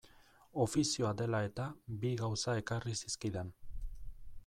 Ofizioa dela-eta, bi gauza ekarri zizkidan.